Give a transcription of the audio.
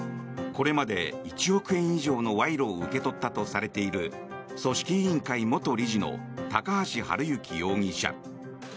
これまで１億円以上の賄賂を受け取ったとされている組織委員会元理事の高橋治之容疑者。